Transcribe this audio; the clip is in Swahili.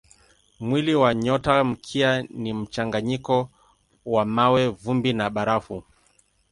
Mwili wa nyotamkia ni mchanganyiko wa mawe, vumbi na barafu.